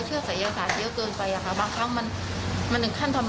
ก็คือหนูกะว่าจะให้เรื่องเงียบไปสักพันค่ะก็จะกลับไปกลับขอโทษแม่